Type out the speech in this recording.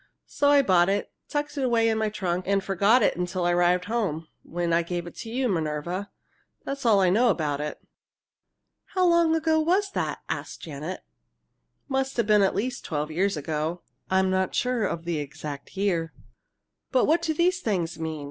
So I bought it, tucked it away in my trunk, and forgot it till I arrived home, when I gave it to you, Minerva. That's all I know about it." "How long ago was that?" asked Janet. "Must have been at least twelve years ago. I'm not sure of the exact year." "But what do these things mean?"